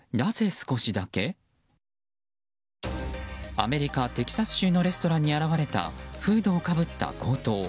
アメリカ・テキサス州のレストランに現れたフードをかぶった強盗。